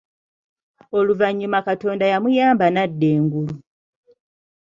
Oluvanyuma Katonda yamuyamba n’adda engulu.